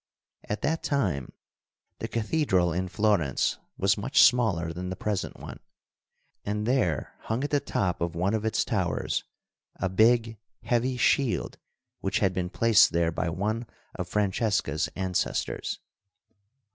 At that time the cathedral in Florence was much smaller than the present one, and there hung at the top of one of its towers a big, heavy shield, which had been placed there by one of Francesca's ancestors.